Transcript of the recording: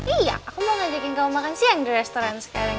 iya aku mau ngajakin kamu makan siang di restoran sekarang